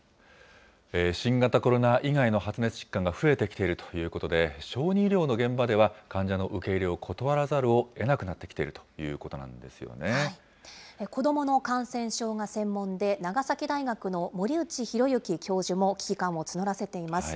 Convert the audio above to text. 新型コロナ以外の発熱疾患が増えてきているということで、小児医療の現場では、患者の受け入れを断らざるをえなくなってきているということなん子どもの感染症が専門で、長崎大学の森内浩幸教授も危機感を募らせています。